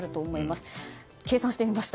計算してみました。